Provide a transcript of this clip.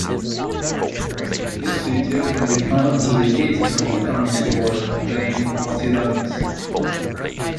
This feature can be found to the east of the prominent walled plain Posidonius.